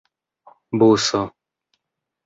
buso